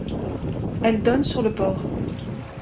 Elle donne sur le port.